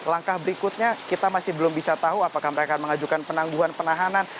langkah berikutnya kita masih belum bisa tahu apakah mereka mengajukan penangguhan penahanan